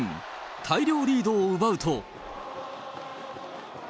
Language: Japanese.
大量リードを奪うと。